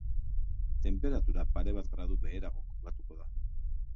Tenperatura pare bat gradu beherago kokatuko da.